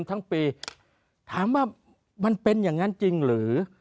ทั้งปีถามว่ามันเป็นอย่างนั้นจริงหรือ